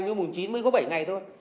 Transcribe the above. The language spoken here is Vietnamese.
mới mùng chín mới có bảy ngày thôi